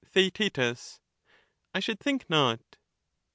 Theaet, I should think not.